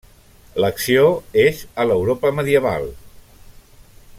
L'acció és a l'Europa medieval.